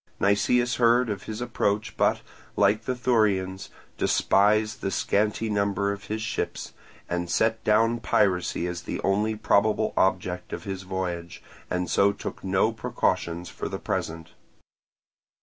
Nicias heard of his approach, but, like the Thurians, despised the scanty number of his ships, and set down piracy as the only probable object of the voyage, and so took no precautions for the present.